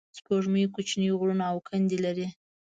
سپوږمۍ کوچنۍ غرونه او کندې لري